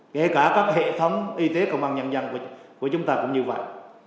kể cả các hệ thống y tế công an nhân dân của chúng ta cũng như vậy